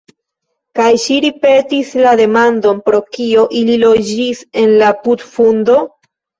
Kaj ŝi ripetis la demandon: "Pro kio ili loĝis en la putfundo?"